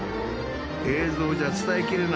映像じゃ伝えきれないよね。